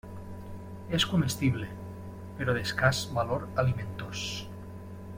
És comestible, però d'escàs valor alimentós.